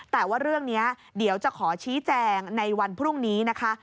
แต่ว่าเรื่องนี้เดี๋ยวจะขอชี้แจงในวันพรุ่งนี้นะคะ